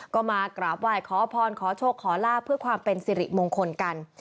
ก็มากราบไหว้ขอพรขอโชคขอลาบเพื่อความเป็นสิริมงคลกัน